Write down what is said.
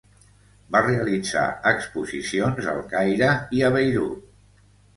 Va realitzar exposicions al Caire i a Beirut.